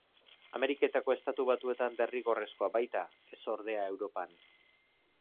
Ameriketako Estatu Batuetan derrigorrezkoa baita; ez, ordea, Europan.